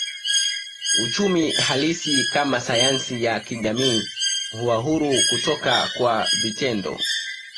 Uchumi halisi kama sayansi ya kijamii huwa huru kutoka kwa vitendo